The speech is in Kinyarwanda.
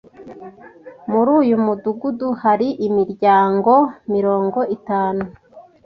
Muri uyu mudugudu hari imiryango mirongo itanu.